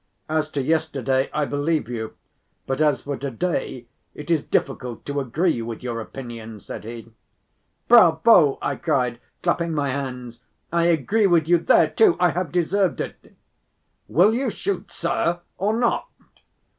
"As to yesterday, I believe you, but as for to‐day, it is difficult to agree with your opinion," said he. "Bravo," I cried, clapping my hands. "I agree with you there too. I have deserved it!" "Will you shoot, sir, or not?"